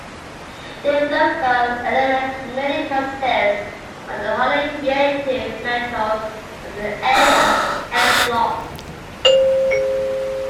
Lithophile elements mainly consist of the highly reactive metals of the s- and f-blocks.